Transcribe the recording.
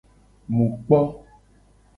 Mu kpo.